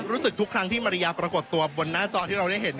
ทุกครั้งที่มาริยาปรากฏตัวบนหน้าจอที่เราได้เห็น